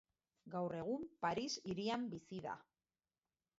Gaur egun Paris hirian bizi da.